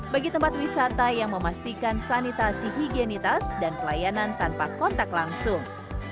bagi tempat wisata yang memastikan sanitasi higienitas dan pelayanan tanpa kontak langsung